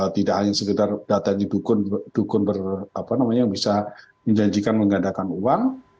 tidak hanya sekedar data ini dukun yang bisa menjanjikan menggandakan uang